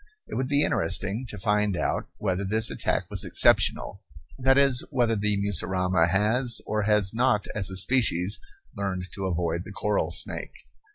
It would be interesting to find out whether this attack was exceptional, that is, whether the mussurama has or has not as a species learned to avoid the coral snake.